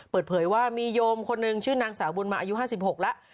เปิดเผยว่ามีโยมคนหนึ่งชื่อนางสาวบุญมาอายุ๕๖แล้ว